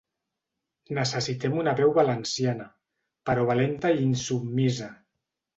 Necessitem una veu valenciana, però valenta i insubmisa.